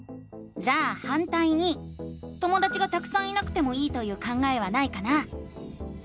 じゃあ「反対に」ともだちがたくさんいなくてもいいという考えはないかな？